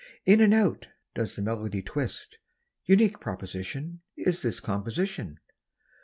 In and out does the melody twist Unique proposition Is this composition.